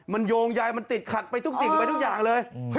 มันโยงยายมันติดขัดไปทุกสิ่งไปทุกอย่างเลย